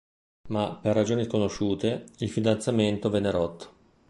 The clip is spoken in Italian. Ma, per ragioni sconosciute, il fidanzamento venne rotto.